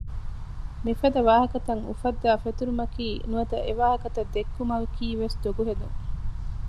މިފަދަ ވާހަކަތައް އުފައްދައި ފެތުރުމަކީ ނުވަތަ އެފަދަ ވާހަކަތައް ދެއްކުމަކީ ދޮގުހެދުން